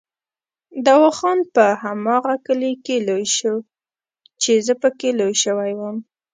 دوا خان په هماغه کلي کې لوی شو چې زه پکې لوی شوی وم.